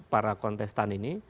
para kontestan ini